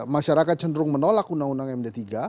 masyarakat cenderung menolak undang undang md tiga